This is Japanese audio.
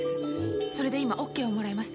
それで今オッケーをもらいました。